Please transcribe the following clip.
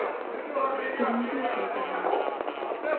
گرنگی پێ دەدەم.